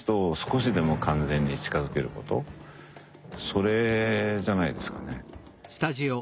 それじゃないですかね。